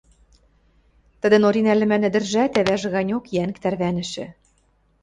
Тӹдӹн Оринӓ лӹмӓн ӹдӹржӓт ӓвӓжӹ ганьок йӓнг тӓрвӓнӹшӹ